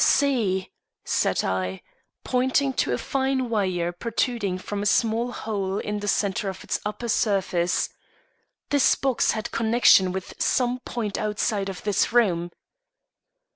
"See!" said I, pointing to a fine wire protruding from a small hole in the center of its upper surface; "this box had connection with some point outside of this room."